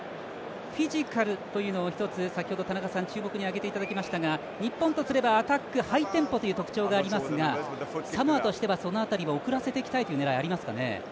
フィジカルというのを一つ、先ほど田中さん注目に挙げていただきましたが日本とすればアタックハイテンポという特徴がありますがサモアとしては、その辺り遅らせていきたいという狙いはありますかね？